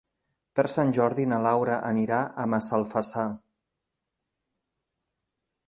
Per Sant Jordi na Laura anirà a Massalfassar.